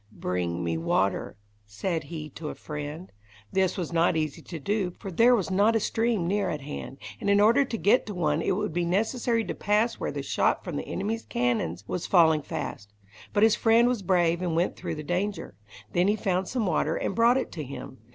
"Bring me water," said he to a friend. This was not easy to do, for there was not a stream near at hand, and in order to get to one it would be necessary to pass where the shot from the enemy's cannons was falling fast. But his friend was brave and went through the danger. Then he found some water, and brought it to him.